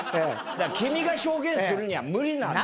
君が表現するには無理なんです。